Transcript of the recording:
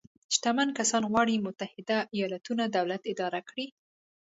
شتمن کسان غواړي متحده ایالتونو دولت اداره کړي.